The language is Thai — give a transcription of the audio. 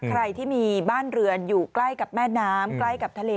ใครที่มีบ้านเรือนอยู่ใกล้กับแม่น้ำใกล้กับทะเล